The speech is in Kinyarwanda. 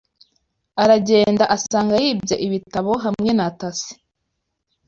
Aragenda asanga yibye ibitabo hamwe na tasse